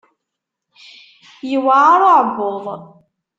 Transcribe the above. Yewɛer uɛebbuḍ.